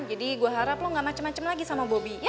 jadi gue harap lo gak macem macem lagi sama bobi ya